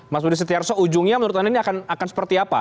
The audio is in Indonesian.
mas budi setiarso ujungnya menurut anda ini akan seperti apa